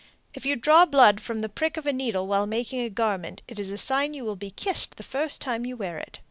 If you draw blood from a prick of the needle while making a garment, it is a sign you will be kissed the first time you wear it.